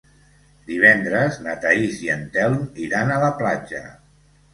Divendres na Thaís i en Telm iran a la platja.